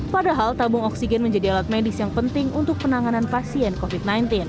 padahal tabung oksigen menjadi alat medis yang penting untuk penanganan pasien covid sembilan belas